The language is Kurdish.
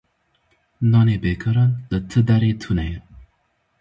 Nanê bêkaran li ti derê tune ye.